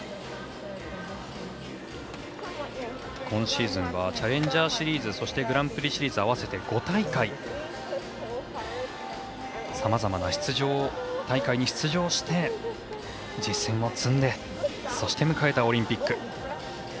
今シーズンはチャレンジャーシリーズそして、グランプリシリーズ合わせて５大会さまざまな大会に出場して実戦を積んで迎えたオリンピック。